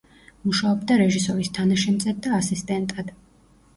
მუშაობდა რეჟისორის თანაშემწედ და ასისტენტად.